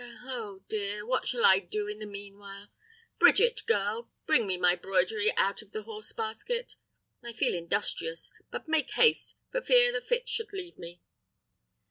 oh dear! what shall I do in the mean while? Bridget, girl, bring me my broidery out of the horse basket. I feel industrious; but make haste, for fear the fit should leave me."